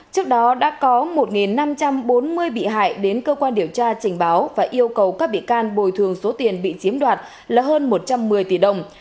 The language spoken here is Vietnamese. trước đó đã có một năm trăm bốn mươi bị hại đến cơ quan điều tra trình báo và yêu cầu các bị can bồi thường số tiền bị chiếm đoạt là hơn một trăm một mươi tỷ đồng